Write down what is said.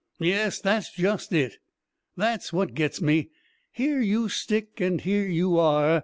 "Yes, that's just it. That's what gets me! Here you stick, and here you are!